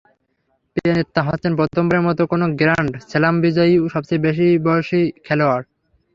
পেনেত্তা হচ্ছেন প্রথমবারের মতো কোনো গ্র্যান্ড স্লাম বিজয়ী সবচেয়ে বেশি বয়সী খেলোয়াড়।